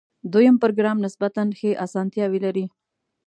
دویم پروګرام نسبتاً ښې آسانتیاوې لري.